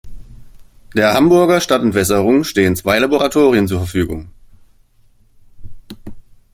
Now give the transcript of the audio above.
Der Hamburger Stadtentwässerung stehen zwei Laboratorien zur Verfügung.